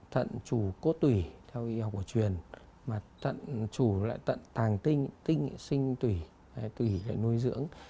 thận chủ cốt tủy theo y học của truyền mà thận chủ lại tận tàng tinh tinh là sinh tủy tủy là nuôi dưỡng